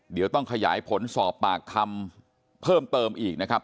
เดี๋ยวต้องขยายผลสอบปากคำเพิ่มเติมอีกนะครับ